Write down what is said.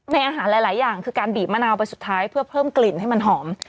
อาหารหลายอย่างคือการบีบมะนาวไปสุดท้ายเพื่อเพิ่มกลิ่นให้มันหอม